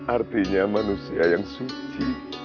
artinya manusia yang suci